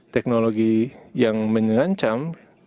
teknologi yang mengancam